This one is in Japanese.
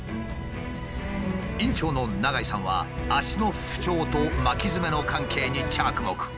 院長の永井さんは足の不調と巻きヅメの関係に着目。